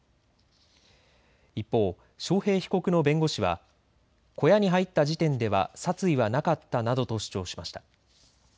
一方、章平被告の弁護士は小屋に入った時点では殺意はなかったなどと主張しました。